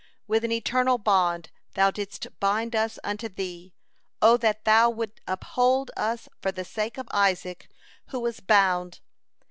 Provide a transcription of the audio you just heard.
"With an eternal bond Thou didst bind us unto Thee. O that Thou wouldst uphold us for the sake of Isaac, who was bound.